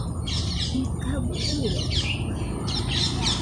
Nekabɨ jiroitɨkue.